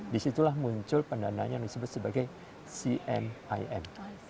disitulah muncul pendanaan yang disebut sebagai cmim